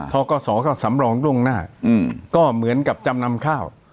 กศก็สำรองล่วงหน้าก็เหมือนกับจำนำข้าว